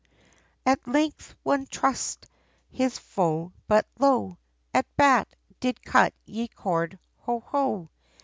] AT length, one trussed his foe, but lo! A bat, did cut ye cord, ho! ho!